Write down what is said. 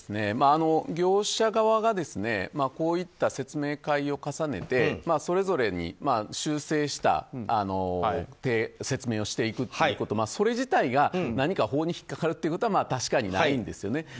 業者側がこういった説明会を重ねてそれぞれに修正した説明をしていくということそれ自体が何か法に引っかかるということは確かにないんですよね。